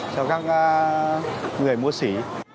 cho các người mua sỉ